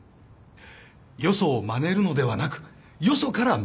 よそをまねるのではなくよそからまねられる。